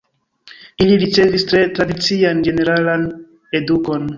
Ili ricevis tre tradician ĝeneralan edukon.